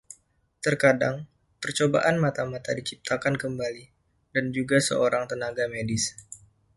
Terkadang, percobaan mata-mata diciptakan kembali, dan juga seorang tenaga medis.